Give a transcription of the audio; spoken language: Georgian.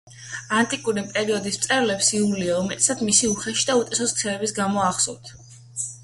ანტიკური პერიოდის მწერლებს იულია, უმეტესად, მისი უხეში და უწესო ქცევების გამო ახსოვთ.